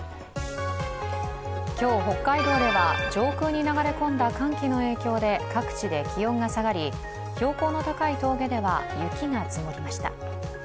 今日、北海道では上空に流れ込んだ寒気の影響で各地で気温が下がり標高の高い峠では雪が積もりました。